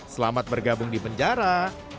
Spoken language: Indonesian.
selamat bergabung di penjara